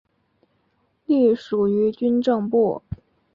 隶属于军政部。